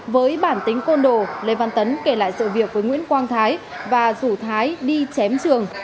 với bản tính côn đồ lê văn tấn kể lại sự việc với nguyễn quang thái và rủ thái đi chém trường